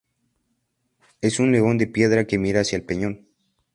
Es un león de piedra que mira hacia el peñón.